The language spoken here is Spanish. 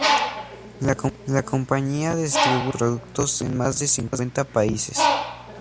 La compañía distribuye sus productos en más de cincuenta países.